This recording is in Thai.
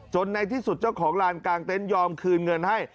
ในที่สุดเจ้าของลานกลางเต็นต์ยอมคืนเงินให้